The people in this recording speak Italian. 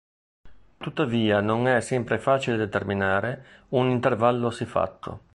Tuttavia non è sempre facile determinare un intervallo siffatto.